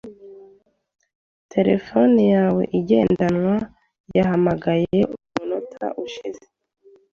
Terefone yawe igendanwa yahamagaye umunota ushize .